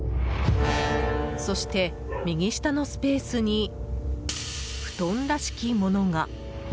そして、右下のスペースに布団らしきものが。